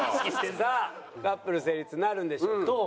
さあカップル成立なるんでしょうか？